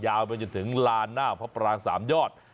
ย้ายไปจนถึงลานหน้าพระปราง๓ยอด